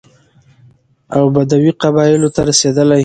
او بدوي قبايلو ته رسېدلى،